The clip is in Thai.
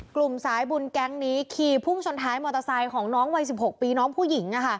กลุ่มสายบุญแก๊งนี้ขี่พุ่งชนท้ายมอเตอร์ไซค์ของน้องวัย๑๖ปีน้องผู้หญิง